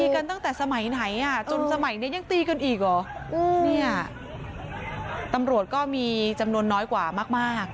กันตั้งแต่สมัยไหนอ่ะจนสมัยนี้ยังตีกันอีกเหรอเนี่ยตำรวจก็มีจำนวนน้อยกว่ามากมาก